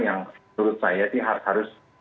yang menurut saya harus